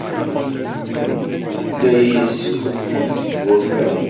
La iyi-yeskuffut seg wurfan.